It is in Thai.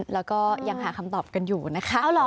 แล้วก็ยังหาคำตอบกันอยู่นะคะ